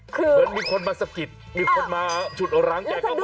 เหมือนมีคนมาสกิดมีคนมาชุดอ่อนร้างแก่เขา